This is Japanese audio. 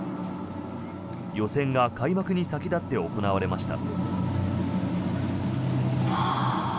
予選が開幕に先立って行われました。